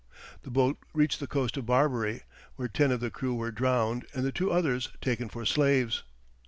The boat reached the coast of Barbary, where ten of the crew were drowned and the two others taken for slaves.